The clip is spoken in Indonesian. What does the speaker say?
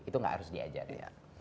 itu gak harus diajarin